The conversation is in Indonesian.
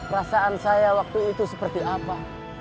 perasaan saya waktu itu seperti apa